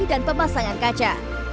dan pemasangan kaca